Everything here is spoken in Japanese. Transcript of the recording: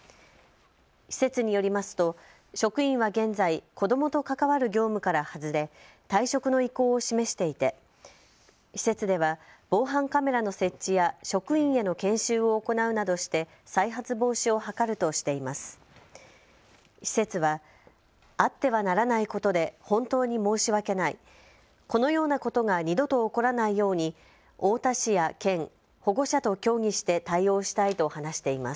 施設によりますと職員は現在、子どもと関わる業務から外れ退職の意向を示していて施設では防犯カメラの設置や職員への研修を行うなどして再発防止を図るとしています。